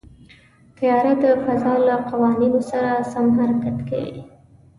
طیاره د فضا له قوانینو سره سم حرکت کوي.